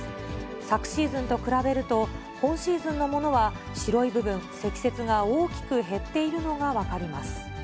昨シーズンと比べると、今シーズンのものは白い部分、積雪が大きく減っているのが分かります。